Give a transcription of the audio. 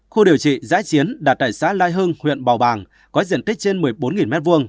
khu điều trị giã chiến đặt tại xã lai hưng huyện bào bàng có diện tích trên một mươi bốn m hai